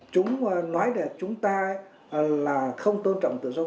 chúng nói đẹp chúng ta là không tôn trọng tự do ngôn luận